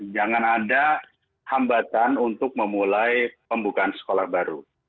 jangan ada hambatan untuk memulai pembukaan sekolah baru